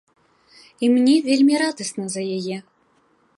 І мне вельмі радасна за яе.